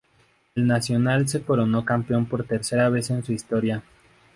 El Nacional se coronó campeón por tercera vez en su historia.